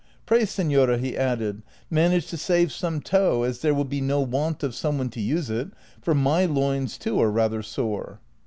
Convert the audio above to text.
'' Pray, senora," he added, " manage to save soine tow, as there will be no want of some one to use it, for my loins too are rather sore."